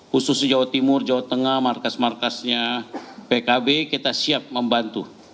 khusus di jawa timur jawa tengah markas markasnya pkb kita siap membantu